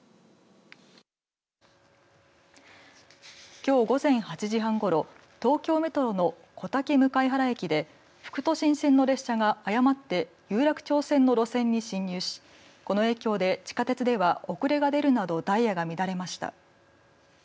きょう午前８時半ごろ東京メトロの小竹向原駅で副都心線の列車が誤って有楽町線の路線に進入しこの影響で地下鉄では遅れが出るなどダイヤが乱れました。